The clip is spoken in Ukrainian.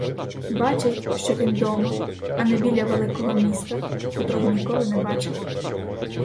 Бачить, що він дома, а не біля великого міста, котрого ніколи не бачив.